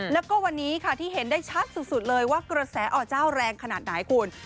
แล้วก็วันนี้ค่ะที่เห็นได้ชัดสุดเลยว่ากระแสอ่อเจ้าแรงขนาดไหนคุณ